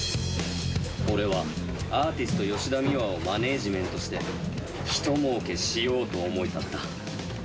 俺はアーティスト吉田美和をマネージメントして、一儲けしようと思い立った。